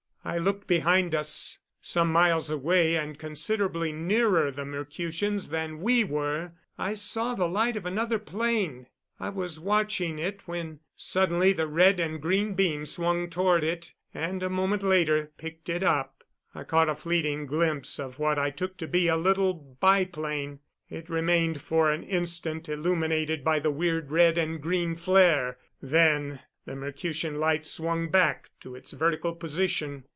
I looked behind us. Some miles away, and considerably nearer the Mercutians than we were, I saw the light of another plane. I was watching it when suddenly the red and green beam swung toward it, and a moment later picked it up. I caught a fleeting glimpse of what I took to be a little biplane. It remained for an instant illuminated by the weird red and green flare; then the Mercutian Light swung back to its vertical position.